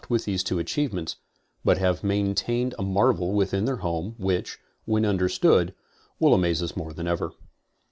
with these two achievements, but have maintained a marvel with in their home, which, when understood, will amaze us more than ever.